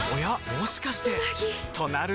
もしかしてうなぎ！